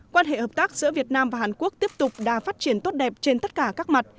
quan hệ hợp tác giữa việt nam và hàn quốc tiếp tục đã phát triển tốt đẹp trên tất cả các mặt